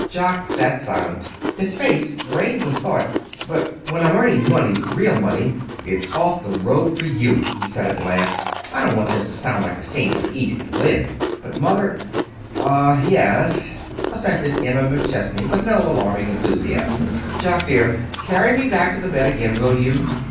Jock sat silent, his face grave with thought. "But when I'm earning money real money it's off the road for you," he said, at last. "I don't want this to sound like a scene from East Lynne, but, mother " "Um m m m ye ee es," assented Emma McChesney, with no alarming enthusiasm. "Jock dear, carry me back to bed again, will you?